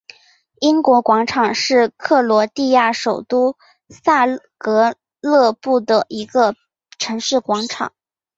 英国广场是克罗地亚首都萨格勒布的一个城市广场。